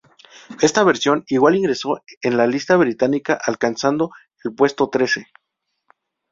Esta versión igual ingresó en la lista británica, alcanzando el puesto trece.